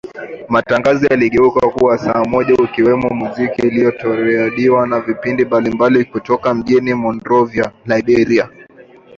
Matangazo yaligeuka kuwa ya saa moja kukiwemo muziki uliorekodiwa na vipindi mbalimbali kutokea mjini Monrovia, Liberia